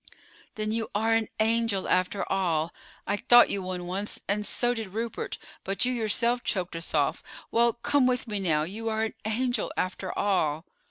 "Then you are an angel after all. I thought you one once, and so did Rupert; but you yourself choked us off. Well, come with me now. You are an angel after all."